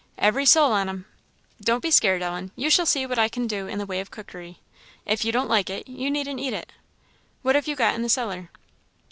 "Every soul on 'em. Don't be scared, Ellen; you shall see what I can do in the way of cookery if you don't like it you needn't eat it. What have you got in the cellar?"